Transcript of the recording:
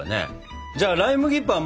じゃあライ麦パン